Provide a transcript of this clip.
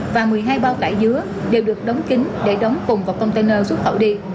và một mươi hai bao cải dứa đều được đóng kính để đóng cùng vào container xuất khẩu đi